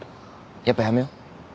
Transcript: やっぱやめよう。